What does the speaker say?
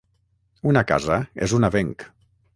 Una casa és un avenc.